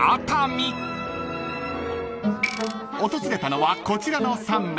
［訪れたのはこちらの３名］